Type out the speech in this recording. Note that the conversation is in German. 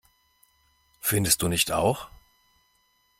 Findest du nicht auch?